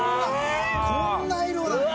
こんな色なんだ。